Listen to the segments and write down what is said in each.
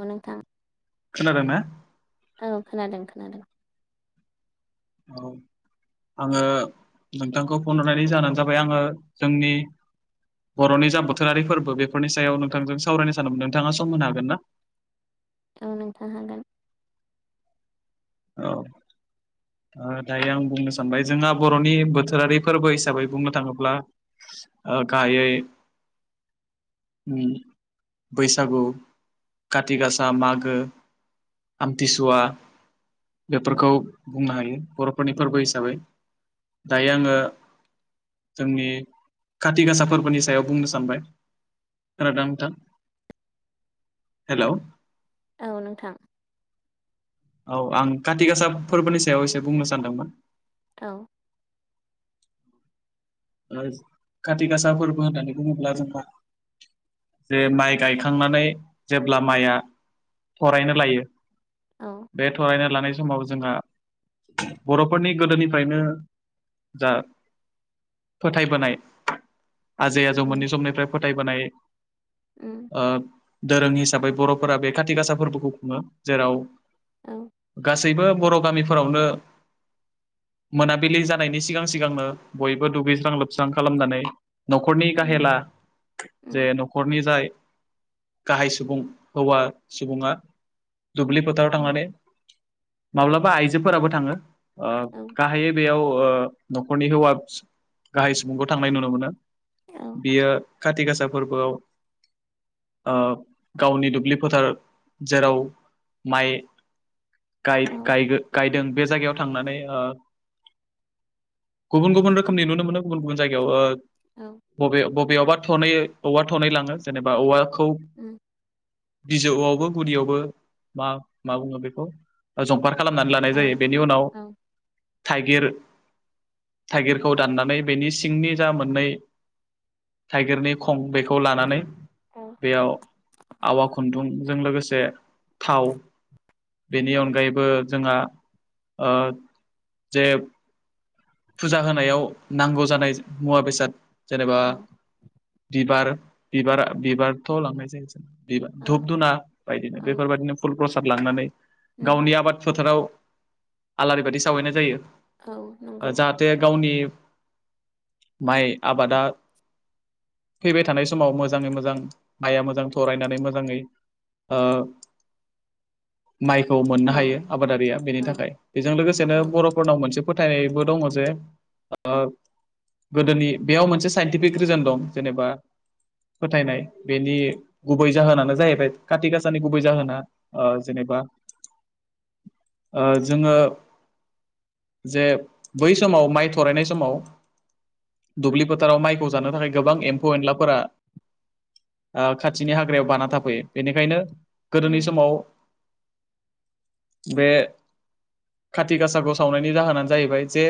औ नोंथां खोना दोंना औ खोनादों खोनादों औ आङो नोंथांखौ फन हरनायनि जाहानो जाबाय आङो जोंनि बर'नि जा बोथोरारि फोरबो बेफोरनि सायाव नोंथांजों सावरायनो सानमोन नोंथाङा सम होनो हागोन ना [inaudible] औ नोंथां हागोन औ दायो आं बुंनो सानबाय जोंहा बर'नि बोथोरारि फोरबो हिसाबै बुंनो थाङोब्ला आ गाहायै बैसागु काति गासा मागो आमथिसुआ बेफोरखौ बुंनो हायो बर'फोरनि फोरबो हिसाबै दायो आङो जोंनि खाथि गासा फोरबोनि सायाव बुंनो सानबाय‌ खोनादों ना नोंथां हेल औ नोंथां‌। औ आं काथि कासा फोरबोनि सायाव एसे बुंनो सानदोंमोन। औ। ओ खाथि गासा फोरबो होननानै बुङोब्ला जोंहा। जे माइ गायखांनानै जेब्ला माइआ थरायनो लायो। औ बे थरायनो लानाय समाव जोंहा बर'फोरनि गोदोनिफ्रायनो जा फोथायबोनाय। आजै आजौ मोननै उम समनिफ्राय फोथायबोनाय उम ओ दोरों हिस साबै बर'फोरा बे खाथि गासा फोरबोखौ खुङो। जेराव औ गासैबो बर' गामिफोरावनो मोनाबिलि जानायनि सिगां सिगांनो बय बो दुगैस्रां लोबस्रां खालामनानै न'खरनि उम गाहेला जे उम न'खरनि जाय गाहाय सुबुं हौवा सुबुङा दुब्लि फोथाराव उम थांनानै माब्लाबा आइजोफोराबो थाङो। ओ औ गाहायै बेयाव ओ न'खरनि हौवा गाहाय सुबुंखौ थांनाय नुनो मोनो। औ बियो खाथि गासा फोरबोआव ओ गावनि दुब्लि फोथार जेराव माइ गाय औ गाय गायदों बे जायगायाव थांनानै ओ गुबुन गुबुन रो खोमनि नुनो मोनो। गुबुन गुबुन जायगायाव औ बबे बबेआवबा थ'नै औवा थनै लाङो जेनेबा औवाखौ उम बिजौआवबो गुदियावबो मा मा बुङो बेखौ जंफार खालामनानै लानाय औ जायो। बेनि उनाव औ थाइगिर थाइगिर खौ दाननानै बेनि सिंनि जा मोननै थाइगिरनि खं बेखौ लानानै बेयाव आवा खुन्दुंजों लोगोसे थाव बेनि उम अनगायैबो जोंहा ओ जे फुजा होनायाव नांगौ जानाय मुवा बेसाद जेनेबा औ बिबार बिबारा बिबारथ' लांनाय जायो जों बिबार औ धुप धुना बायदिनो औ बेफोरबायदिनो फुल प्रसाद लांनानै उम गावनि आबाद फोथाराव आलारि बाथि सावहैनाय जायो‌। औ। ओ नंगौ जाहाथे गावनि माइ आबादा फैबाय थानाय समाव मोजाङै मोजां माइआ मोजां थरायनानै मोजाङै ओ माइखौ मोननो औ हायो। आबादारिया बेनि औ थाखाय बेजों लोगोसेनो औ बर'फोरनाव मोनसे फोथायनाय बो दङ जे ओ गोदोनि बेयाव मोनसे साइन्टिफिक रिजोन दं जेनेबा फोथायनाय बेनि गुबै जाहोनानो जाहैबाय खाथि कासानि गुबै ओ जाहोना ओ जेनेबा ओ जोङो जे बै समाव माइ थरायनाय समाव औ दुब्लि फोथाराव माइखौ जानो थाखाय गोबां एम फौ एनलाफोरा ओ खाथिनि हाग्रायाव बाना थाफैयो। बेनिखायनो गोदोनि उम समाव बे खाथि गासाखौ सावनायनि जाहोनानो जाहैबाय। जे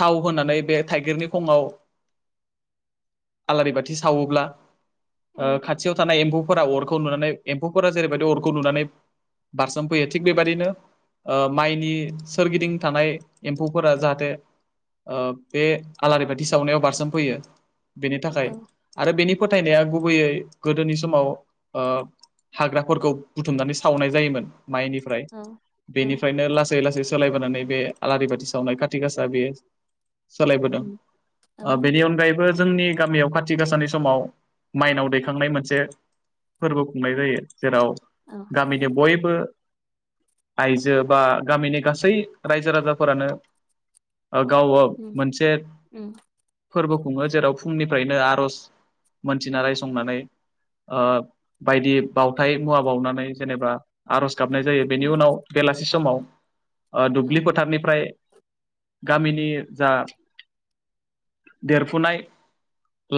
थाव होनानै बे थाइगिरनि खङाव आलारि बाथि सावोब्ला। औ ओ खाथियाव थानाय एम्फौफोरा अरखौ नुनानै एम्फौफोरा जेरैबायदि अरखौ नुनानै बारसोम फैयो। थिग बेबायदिनो माइनि सोरगिदिं थानाय एम्फौफोरा जाहाथे ओ बे आलारि बाथि सावनायाव बारसोम फैयो। बेनि थाखाय औ आरो बेनि फोथायनाया गुबैयै गोदोनि समाव ओ हाग्राफोरखौ बुथुमनानै सावनाय जायोमोन। माइनिफ्राय औ बेनिफ्रायनो लासै लासै सोलायबोनानै बे। आलारि बाथि सावनाय खाथि गासा बेयो सोलायबोदों उम ओ औ बेनि अनगायैबो बो जोंनि गामियाव खाथि गासानि समाव माइनाव दैखांनाय मोनसे फोरबो खुंनाय जायो जेराव औ गामिनि बयबो आइजो बा गामिनि गासै रायजो राजाफोरानो ओ गाव औ उम मोनसे उम फोरबो खुङो जेराव फुंनिफ्रायनो आर'ज मोनथिना रायसंनानै ओ बायदि बावथाय मुवा बावनानै जेनेबा आर'ज गाबनाय जायो बेनि औ उनाव बेलासि समाव ओ‌ औ दुब्लि फोथारनि फ्राय गामिनि जा देरफुनाय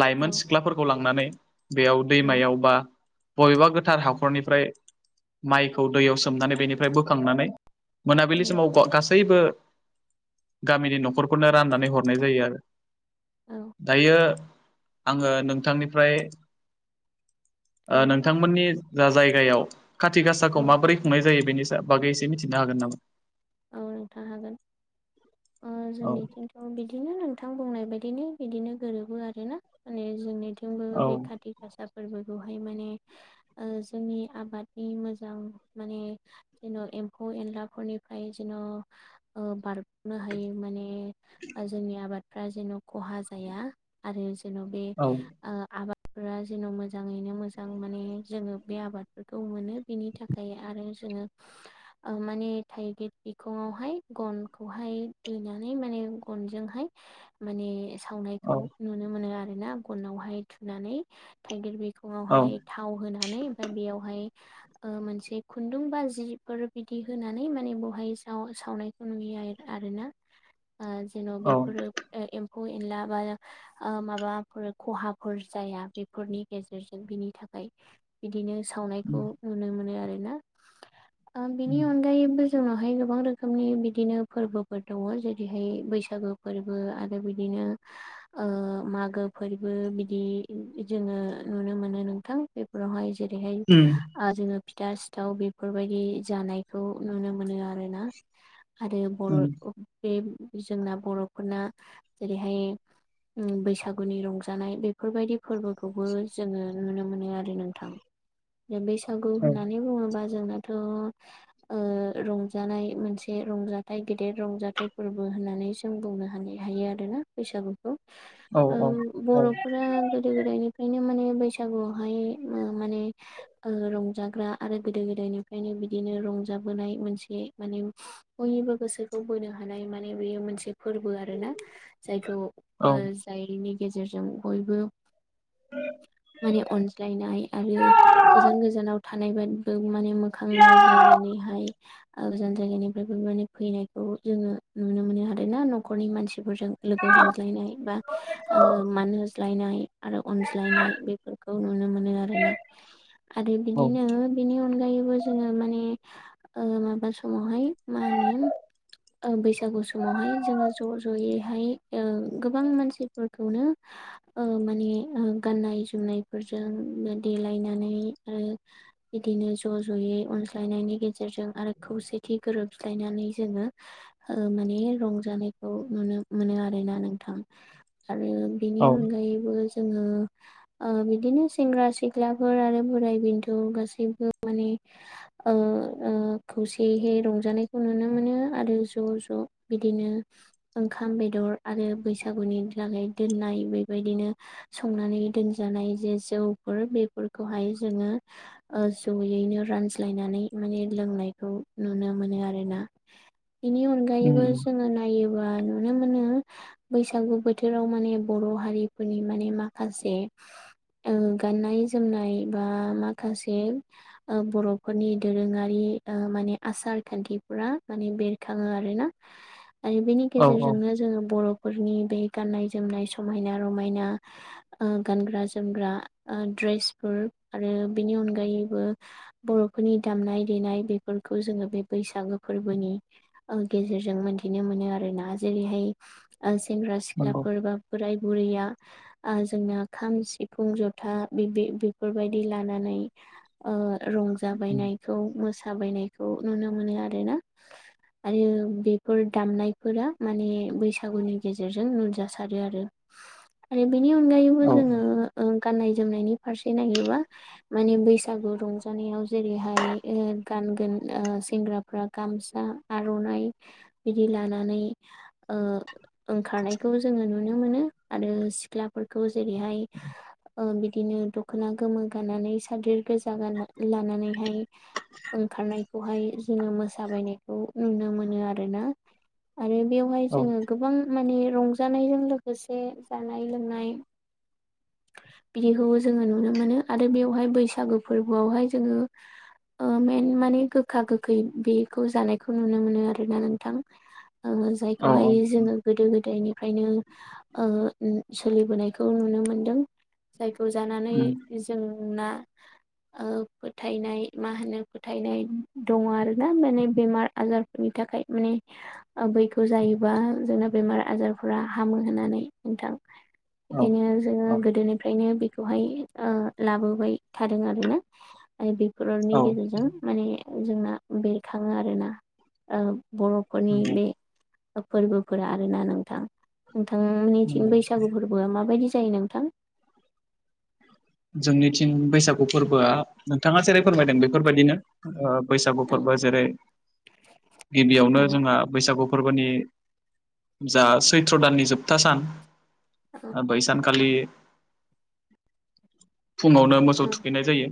लाइमोन औ सिख्लाफोरखौ लांनानै बेयाव उम दैमायाव बा बबेबा गोथार हाखरनिफ्राय माइखौ दैयाव सोमनानै बेनिफ्राय बोखांनानै मोनाबिलि उम समाव ग गासैबो गामिनि न'खरफोरनो राननानै हरनाय जायो आरो औ दायो आङो नोंथांनिफ्राय ओ औ नोंथांमोननि जा जायगायाव खाथि गासाखौ औ माबोरै खुंनाय जायो बेनि सा बागै एसे मिथिनो हागोन नामा? औ नोंथां हागोन ओ औ जोंनिथिंथ' बिदिनो नोंथां बुंनाय बायदि दिनो बिदिनो गोरोबो आरो ना माने जोंनिथिंबो औ बे खाथि गासाफोरबो बेवहाय माने ओ जोंनि आबादनि मोजां माने जेन एम्फौ फौ एनलाफोरनि फ्रायदिन' ओ बारनो हायो माने ओ‌ जोंनि आबाद फ्रा जेन' खहा जाया आरो जेन' बे औ ओ आबाद फ्रा जेन' मोजाङैनो मोजां माने जोङो बे आबादफोरखौ मोनो बिनि थाखाय आरो जोङो ओ माने थाइगिर बिखङावहाय गनखौहाय दोनानै माने गनजोंहाय माने सावनायखौ औ नुनो मोनो आरोना गनावहाय थुनानै थाइगिर बि खंयाव औ हाय थाव होना होनानै ओमफ्राय बे‌आवहाय ओ मोनसे खुनदुंबा जिफोर बिदि होनानै माने बहाय साव सावनायखौ नुयो आरोना जेन' औ बेफोरो ओ एम्फौ फौ एनला बा ओ माबाफोर खहाफोर जाया बेफोरनि गेजेरजों बिनि थाखाय फ्राय बिदिनो सावनायखौ उम नुनो मोनो आरोना ओ बिनि उम अनगायैबो जोंनावहाय गोबां रोखोमनि बिदिनो फोरबोफोर दङ जेरैहाय बैसागु फोरबो आरो बिदिनो नो‌ ओ मागो फोरबो बिदि जोङो नुनो मोनो नोंथां बेफोरावहाय जेरैहाय ओ जोङो फिथा सिथाव बेफोरबायदि जानायखौ नुनो मोनो आरोना आरो बर' उम बे जोंना बर'फोरना जेरैहाय उम बैसागुनि रंजानाय बेफोरबायदि फोरबोखौबो जोङो नुनो मोनो आरो नोंथां [unintelligible] बैसागु होननानै बुङोबा जोंनाथ'ओ रंजानाय मोनसे रंजाथाइ गेदेर रंजाथाइ फोरबो होननानै जों बुंनो हानाय हायो आरोना बैसागुखौ औ औ उम औ बर'फोरा गोदो गोदायनिफ्रायनो माने बैसागुआव हायो ओ माने ओ रंजाग्रा आरो गोदो गोदायनिफ्रायनो बिदिनो रंजाबोनाय मोनसे माने बयनिबो गोसोखौ बोनो हानाय माने बेयो मोनसे फोरबो आरोना जायखौ औ ओ जायनि गेजेरजों बयबो माने अनज्लायनाय आरो गोजान गोजानाव थानाय बादबो माने मोखां नायज्लायनानैहाय ओ गोजान जायगानिफ्रायबो माने फैनायखौ जोङो नुनो मोनो आरो ना न'खरनि मानसिफोरजों लोगो हमज्लायनाय बा ओ मानहोज्लायनाय आरो अनज्लायनाय बेफोरखौ नुनो मोनो आरोना। आरो बिदिनो बेनि अनगायैबो जोङो माने ओ माबा समावहाय मा होनो? ओ बैसागु समावहाय जोङो ज' ज'यैहाय ओ गोबां मानसिफोरखौनो ओ माने ओ गाननाय जुमनायफोरजोंनो देलायनानै आरो बिदिनो ज' ज'यै अनज्लायनायनि गे- जेरजों आरो खौसेथि गोरोबज्लायनानै जोङो ओ माने रंजानायखौ नुनो मोनो आरोना नोंथां आरो बेनि औ अनगायैबो जोङो ओ बिदिनो सेंग्रा सिख्लाफोर आरो बोराय बेन्थ' गासैबो माने ओ ओ खौसेहे रंजानायखौ नुनो मोनो आरो ज' ज' बिदिनो ओंखाम बेदर आरो बैसागुनि जागाय दोननाय बेबाय दिनो संनानै दोनजानाय जे जौफोर बेफोरखौहाय जोङो ओ जयैनो रानज्लायनानै माने लोंनायखौ नुनो मोनो आरो ना। बेनि अनगायैबो उम जोङो नायोबा नुनो मोनो बैसागु बोथोराव माने बर' हारिफोरनि माने माखासे ओ गाननाय जोमनाय बा माखासे ओ बर'फोरनि दोरोङारि ओ माने आसार खान्थिफोरा माने बेरखाङो आरोना। आरो बेनि औ औ गेजेरजोंनो जोङो बर' फोरनि बे गाननाय जोमनाय समायना रमायना ओ गानग्रा जोमग्रा ओ द्रेसफोर आरो बिनि अनगायैबो बर'फोरनि दामनाय देनाय बेफोरखौ जोङो बे बैसागो फोरबोनि ओं गेजेरजों मोनथिनो मोनो आरो। आरोना जेरैहाय ओ सेंग्रा नंगौ सिख्लाफोर बा बोराय बुरैया ओ जोंना खाम सिफुं जथा बिब्दि बेफोरबायदि लानानै ओ उम रंजाबायनायखौ मोसाबायनायखौ नुनो मोनो आरोना आरो बेफोर दामनायफोरा माने बै सागुनि गेजेरजों नुजासारो आरो आरो बेनि अनगायैबो औ जोङो ओ ओ गाननाय जोमनायनि फारसे नायोबा माने बैसागु रंजानायाव जेरैहाय एर गानगोन ओ सेंग्राफ्रा गामसा आर'नाइ बिदि लानानै ओ ओंखारनायखौ जोङो नुनो मोनो आरो सिख्लाफोरखौ जेरैहाय ओ बिदिनो दख'ना गोमो गानानै सादोर गोजा गानना लानानैहाय ओंखारनायखौहाय जोङो मोसााबायनायखौ नुनो मोनो आरोना। आरो बेवहाय औ जोङो गोबां माने रंजानायजों लोगोसे जानाय लोंनाय। बिदिखौबो जोङो नुनो मोनो आरो बेवहाय बैसागो फोरबोआवहाय जोङो ओ मेन माने गोखा गोखै बेखौ जानायखौ नुनो मोनो आरोना नोंथां। ओ औ जायखौहाय जोङो गोदो गोदायनि फ्रायनो ओ सोलिबोनायखौ नुनो मोनदों जाय खौ जानानै उम जोंना ओ फोथायनाय मा होनो फोथायनाय दङ आरोना माने बेमार आजारफोरनि थाखाय माने ओम बैखौ जायोबा जोंना बेमार आजारफोरा हामो होननानै नोंथां। औ एनिवे जोङो औ गोदोनिफ्रायनो बि- खौहाय ओ लाबोबाय थादों आरोना आरो औ बेफोररनि गेजेरजों माने जोंना बेरखाङो आरोना ओ बर'फोरनि नंगौ बे फोरबोफोरा आरोना नोंथां नोंथांनिथिं नंगौ बैसागु फोरबोआ माबायदि जायो नोंथां? जोंनिथिं बैसागु फोरबोआ नोंथाङा जेरै फोरमायदों बेफोरबायाददिनो ओ बैसागु औ फोरबो जेरै गिबियावनो औ जोंहा बैसागु फोरबोनि जा सैथ्र दाननि जोबथा सान। औ आरो बैसानखालि फुङावनो मोसौ औ थुखैनाय जायो।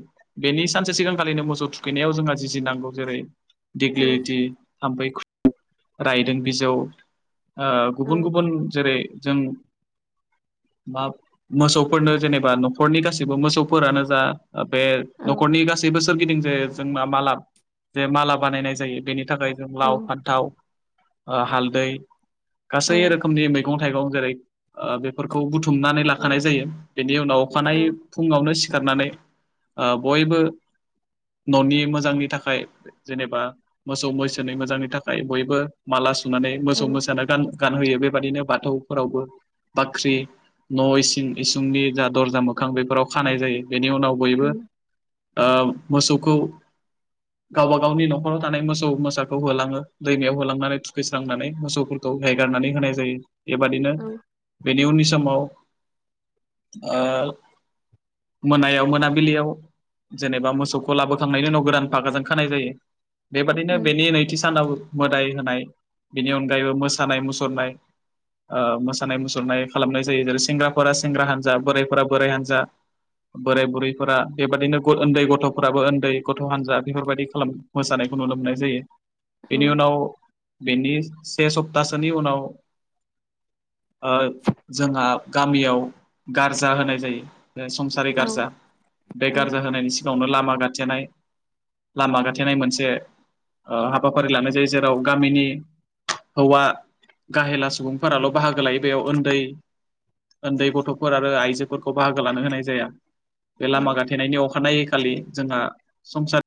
बेनि सानसे सिगांखालिनो मोसौ थुखैनायाव जोंहा जिजिनांगौ जेरै दिग्लिथि थाम्फै ख रायदों बिजौ ओ गुबुन औ गुबुन जेरै जों मा मोसौफोरनो जेनेबा न' न'खरनि गैबो मोसौफोरानो जा बे औ न'खरनि गासैबो सोरगिदिं जे मा मा माला जे माला बानायनाय जायो बेनि थाखाय जों लाव औ फान्थाव ओ हालदै गासै औ रोखोमनि मैगं थाइगं जेरै बेफोरखौ बुथुम थुमनानै औ लाखानाय जायो बेनि उनाव अखानाय औ फुङावनो सिखारनानै ओ बयबो न'नि मोजांनि थाखाय जेनेबा मोसौ मैसोनि मोजांनि थाखाय बयबो माला साननानै औ मोसौ मोसानो गान गानहोयो बेबायदिनो बाथौफोरावबो बाख्रि न' इसिं इसिंनि जा दरजा मोखां बेफोराव खानाय जायो बेनि उनाव बयबो ओ मोसौखौ गावबा गावनि न'खराव थानाय मोसौ मोसाखौ होलाङो दैमायाव होलांनानै थुखैस्रांनानै मोसौफोरखौ खौ एरनानै होनाय जायो बेबादिनो औ बेनि उननि समाव ओ मोनायाव मोनाबिलियाव जेनेबा मोसौखौ लाबोखांनायनि उनाव गोदान फागाजों खानाय जायो बेबादिनो बेनि नैथि सानाव मोदाय होनाय बेनि अनगायैबो मोसानाय मुसुरनाय ओ मोसानाय मुसुरनाय खालामनाय जायो जेरै सेंग्राफोरा सेंग्रा हानजा बोरायफोरा बोराय हानजा बोराय बुरैफोरा बेबादिनो उन्दै गथ'फोराबो उन्दै गथ' हान्जा बेफोरबायदि खालाम मोसानाय खौ नु लनो मोननाय जायो बेनि उनाव बेनि से सप्तासोनि उनाव ओ जोंहा गामियाव गारजा होनाय जायो संसारि औ गारजा बे औ गारजा होनायनि सिं आवनो लामा गाथेनाय लामा गाथेनाय मोनसे ओ हाबाफारि लानाय जायो जेराव गामिनि हौवा गाहेला सुबुंफोराल' बाहागो लायो बेयाव उन्दै उन्दै गथ' फोर आरो आइजोफोरखौ बाहागो लानो होनाय जाया बे औ लामा गाथेनायनि अखानायै खालि जोंहा संसार